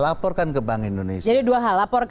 laporkan ke bank indonesia